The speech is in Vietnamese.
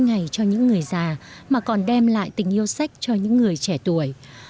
ngày cho những người già mà còn đem lại tình yêu sách cho những người trẻ tuổi